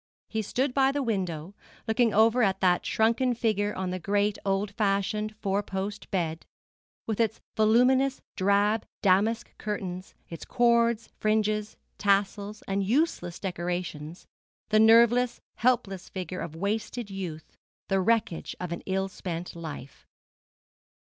He stood by the window, looking over at that shrunken figure on the great old fashioned four post bed, with its voluminous drab damask curtains, its cords, fringes, tassels, and useless decorations the nerveless, helpless figure of wasted youth, the wreckage of an ill spent life.